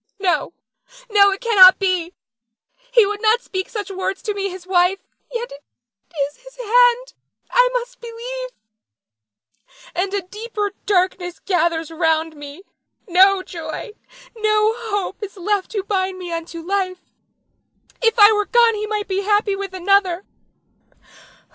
No, no, it cannot be; he would not speak such words to me; his wife. Yet, 't is his hand I must believe and a deeper darkness gathers round me. No joy, no hope, is left to bind me unto life. If I were gone he might be happy with another.